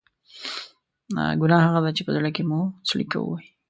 ګناه هغه ده چې په زړه کې مو څړیکه ووهي.